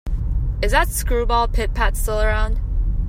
Is that screwball Pit-Pat still around?